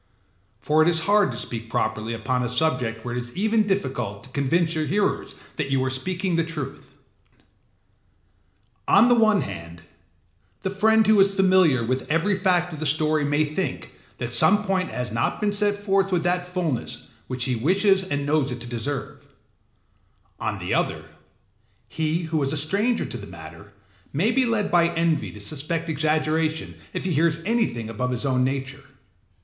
For it is hard to speak properly upon a subject where it is even difficult to convince your hearers that you are speaking the truth. On the one hand, the friend who is familiar with every fact of the story may think that some point has not been set forth with that fullness which he wishes and knows it to deserve; on the other, he who is a stranger to the matter may be led by envy to suspect exaggeration if he hears anything above his own nature.